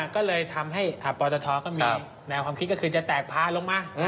ก็เลยทำให้ปตทก็มีแนวความคิดก็คือจะแตกพาลงมา